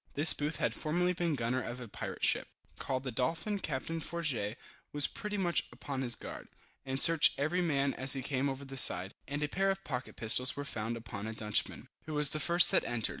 This Booth had formerly been gunner of a pirate ship, called the Dolphin. Capt. Fourgette was pretty much upon his guard, and searched every man as he came over the side, and a pair of pocket pistols were found upon a Dutchman, who was the first that entered.